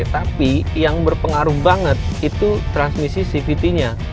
tapi yang berpengaruh banget itu transmisi cvt nya